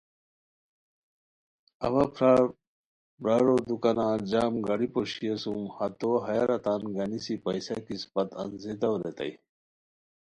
اوا پھار برارو دوکانہ جم گھڑی پوشی اسوم، ہتو ہیارا تان گنیسی پیسہ کی اسپت انځئیتاؤ ریتائے